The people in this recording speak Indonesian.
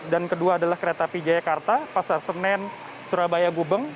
dan kedua adalah kereta api jayakarta pasar senen surabaya gubeng